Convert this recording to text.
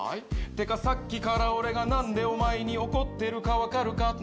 てかさっきから何でお前に怒ってるか分かるか。